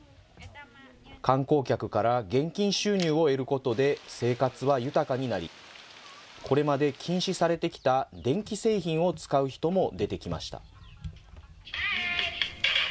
観光客から現金収入を得ることで、生活は豊かになり、これまで禁止されてきた電気製品を使う人も出てきました。